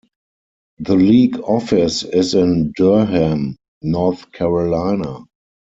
The league office is in Durham, North Carolina.